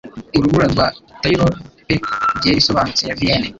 Urubura rwa Tyrol pe byeri isobanutse ya Vienne